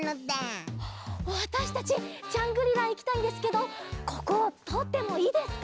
わたしたちジャングリラいきたいんですけどこことおってもいいですか？